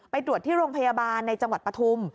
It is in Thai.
ตรวจที่โรงพยาบาลในจังหวัดปฐุม